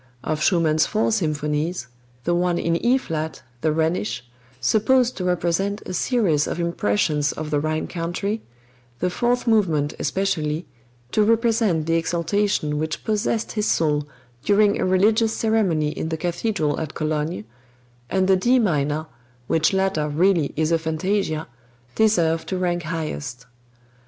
Of Schumann's four symphonies, the one in E flat, the "Rhenish," supposed to represent a series of impressions of the Rhine country, the fourth movement especially, to represent the exaltation which possessed his soul during a religious ceremony in the cathedral at Cologne; and the D minor, which latter really is a fantasia, deserve to rank highest.